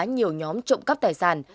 nhiều nhóm trộm cắp tài sản